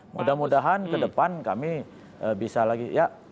mudah mudahan ke depan kami bisa lagi ya